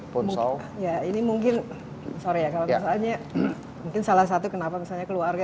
pun sop ya ini mungkin sore ya kalau misalnya mungkin salah satu kenapa misalnya keluarga